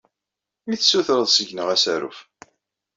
I tessutreḍ seg-neɣ asaruf?